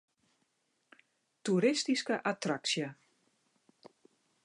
Toeristyske attraksje.